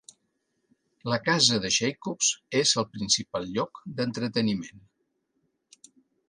La casa de Jacobs és el principal lloc d'entreteniment.